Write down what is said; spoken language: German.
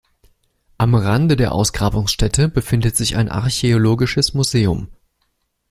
Am Rand der Ausgrabungsstätte befindet sich ein archäologisches Museum.